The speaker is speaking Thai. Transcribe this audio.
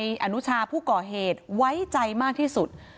อนุชาผู้ก่อเหตุไว้ใจมากที่สุด